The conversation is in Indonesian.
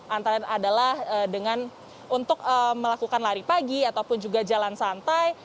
antara adalah dengan untuk melakukan lari pagi ataupun juga jalan santai